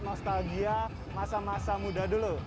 nostalgia masa masa muda dulu